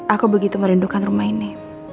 aku begitu merindukan rumah ini